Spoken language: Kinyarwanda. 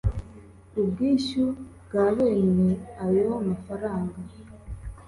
ubwishyu bwa bene ayo mafaranga